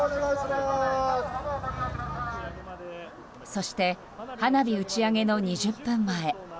そして花火打ち上げの２０分前。